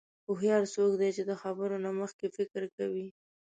هوښیار څوک دی چې د خبرو نه مخکې فکر کوي.